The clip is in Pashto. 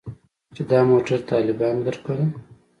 چې دا موټر طالبانو درکړى.